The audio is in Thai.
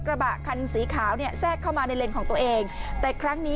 กระบะคันสีขาวเนี่ยแทรกเข้ามาในเลนของตัวเองแต่ครั้งนี้